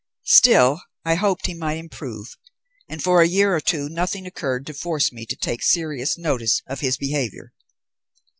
Still, I hoped he might improve, and for a year or two nothing occurred to force me to take serious notice of his behaviour.